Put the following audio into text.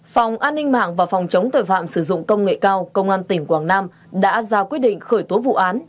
phòng an ninh mạng và phòng chống tội phạm sử dụng công nghệ cao công an tỉnh quảng nam đã ra quyết định khởi tố vụ án